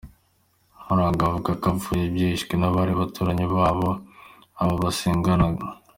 Nkuranga avuga ko abapfuye bishwe n’abari abaturanyi babo, abo basenganaga.